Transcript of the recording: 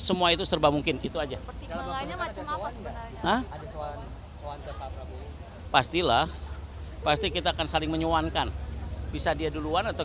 semua itu serba mungkin itu aja pastilah pasti kita akan saling menyuankan bisa dia duluan atau